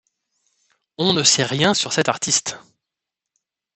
On ne sait rien sur cet artiste.